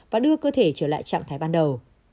và đưa cơ thể trở lại trạng thái ban đầu